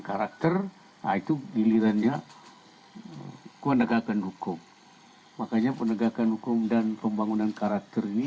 karakter itu gilirannya penegakan hukum makanya penegakan hukum dan pembangunan karakter ini